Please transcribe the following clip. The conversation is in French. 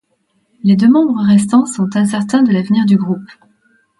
Les deux membres restants sont incertains de l'avenir du groupe.